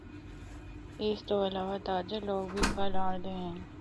اس تو علاوہ تاجر لوگ بھی پھل آنڑدے ہن۔